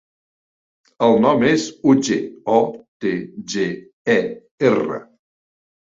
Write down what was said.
El nom és Otger: o, te, ge, e, erra.